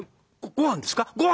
ごはんですか？